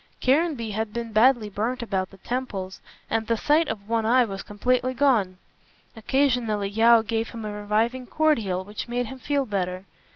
Caranby had been badly burnt about the temples, and the sight of one eye was completely gone. Occasionally Yeo gave him a reviving cordial which made him feel better.